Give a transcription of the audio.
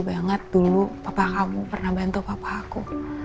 sebelumnya ayah kamu pernah membantu ayah saya